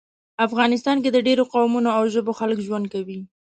افغانستان کې د ډیرو قومونو او ژبو خلک ژوند کوي